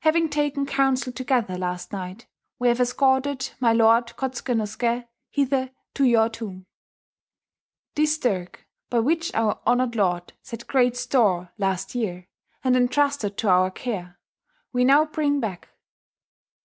Having taken counsel together last night, we have escorted my Lord Kotsuke no Suke hither to your tomb. This dirk, by which our honoured lord set great store last year, and entrusted to our care, we now bring back.